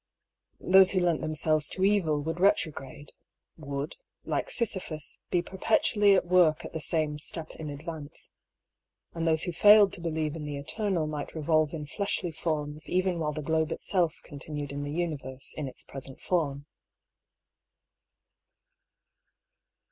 Those who lent themselves to evil would retrograde — would, like Sisyphus, be per petually at work at the same step in>advance. And those who failed to believe in the Eternal might revolve in fleshly forms even while the globe itself continued in the Universe in its present form.